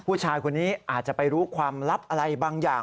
ผู้ชายคนนี้อาจจะไปรู้ความลับอะไรบางอย่าง